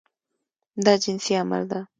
دا جنسي عمل ده.